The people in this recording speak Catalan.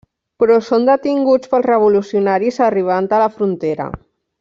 Però són detinguts pels revolucionaris arribant a la frontera.